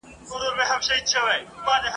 انګرېزانو ماته وخوړه.